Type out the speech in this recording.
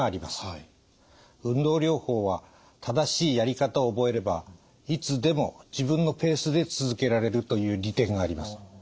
運動療法は正しいやり方を覚えればいつでも自分のペースで続けられるという利点があります。